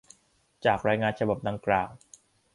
จากรายงานฉบับดังกล่าว